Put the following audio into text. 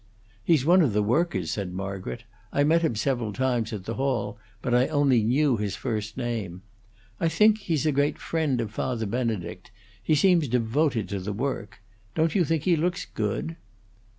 "He's one of the workers," said Margaret. "I met him several times at the Hall, but I only knew his first name. I think he's a great friend of Father Benedict; he seems devoted to the work. Don't you think he looks good?"